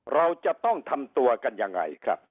เราจะต้องทำตัวกันยังไงครับ